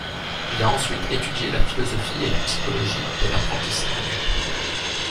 Il a ensuite étudié la philosophie et la psychologie de l'apprentissage.